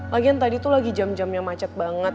lagian tadi tuh lagi jam jamnya macet banget